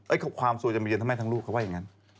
ความสวยจะมาเย็นทั้งแม่ทั้งลูกเขาว่าอย่างนั้น